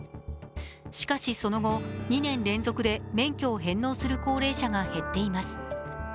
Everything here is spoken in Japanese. しかし、その後、２年連続で免許を返納する高齢者が減っています。